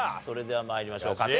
それでは参りましょう。